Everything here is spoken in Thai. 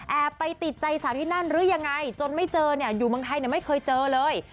ไปติดใจสาวที่นั่นหรือยังไงจนไม่เจอเนี่ยอยู่เมืองไทยไม่เคยเจอเลย